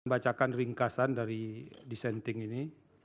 saya akan membacakan ringkasan dari dissenting ini